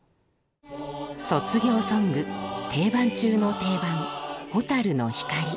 卒業ソング定番中の定番「蛍の光」。